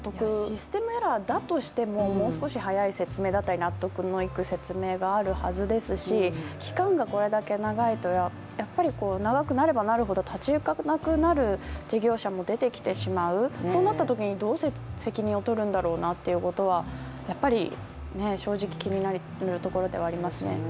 システムエラーだとしてももう少し早い説明だったり納得のいく説明があるはずですし期間がこれだけ長いとやっぱり長くなればなるほど立ちゆかなくなる事業者も出てきてしまう、そうなったときにどう責任を取るんだろうなということはやっぱり正直気になるところではありますね。